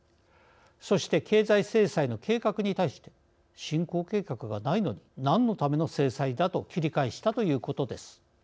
そして経済制裁の警告に対しては「侵攻計画がないのに何のための制裁だ」と切り返したということです。